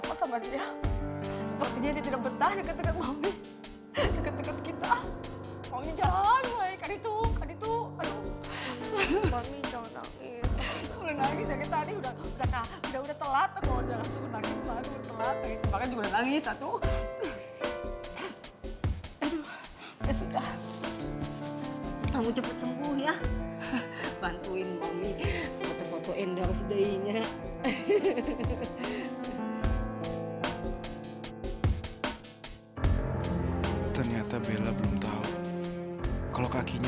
kamu menyanggupi untuk menikahi seorang abg yang akan kamu bimbing